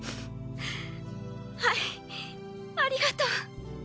はいありがとう。